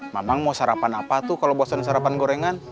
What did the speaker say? memang mau sarapan apa tuh kalau bosan sarapan gorengan